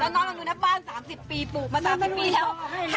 แล้วน้องน้องดูนะบ้าน๓๐ปีปลูกมา๓๐ปีแล้ว